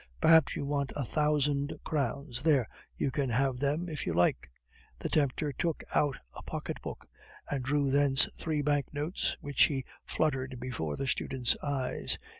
Perhaps you want a thousand crowns. There, you can have them if you like." The tempter took out a pocketbook, and drew thence three banknotes, which he fluttered before the student's eyes.